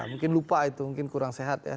mungkin lupa itu mungkin kurang sehat ya